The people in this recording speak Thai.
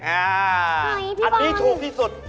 อันนี้ถูกที่สุด